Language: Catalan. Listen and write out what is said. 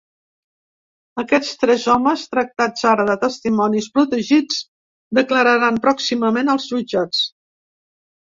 Aquests tres homes, tractats ara de testimonis protegits, declararan pròximament als jutjats.